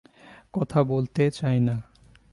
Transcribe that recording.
কথা বলতে চাই না।